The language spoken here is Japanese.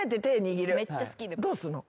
どうすんの？